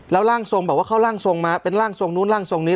แล้วร่างทรงบอกว่าเข้าร่างทรงมาเป็นร่างทรงนู้นร่างทรงนี้